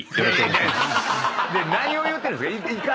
何を言うてるんですか？